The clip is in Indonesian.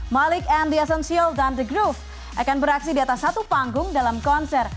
malik and the essentials of groove akan beraksi di atas satu panggung dalam konser